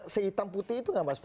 sehitam putih itu nggak mas